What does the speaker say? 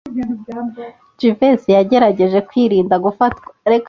Jivency yagerageje kwirinda gufatwa.